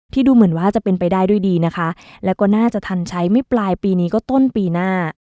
ดูเหมือนว่าจะเป็นไปได้ด้วยดีนะคะแล้วก็น่าจะทันใช้ไม่ปลายปีนี้ก็ต้นปีหน้า